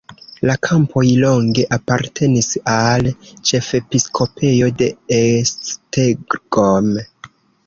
La kampoj longe apartenis al ĉefepiskopejo de Esztergom.